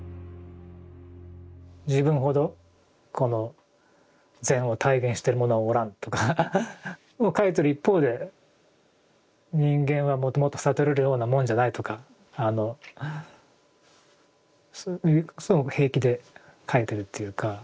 自分ほどこの禅を体現してる者はおらんとか書いてる一方で人間はもともと悟れるようなもんじゃないとかすごく平気で書いてるっていうか。